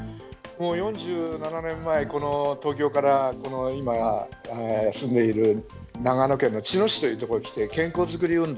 ４７年前、東京から今、住んでいる長野県の茅野市というところへ来て健康づくり運動。